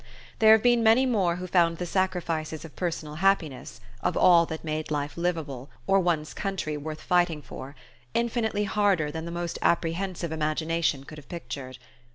There have been many more who found the sacrifice of personal happiness of all that made life livable, or one's country worth fighting for infinitely harder than the most apprehensive imagination could have pictured.